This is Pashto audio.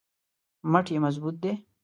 مټ یې مضبوط دی.